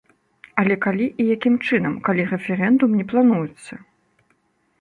Але калі і якім чынам, калі рэферэндум не плануецца?